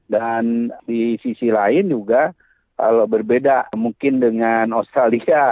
dan di sisi lain juga berbeda mungkin dengan australia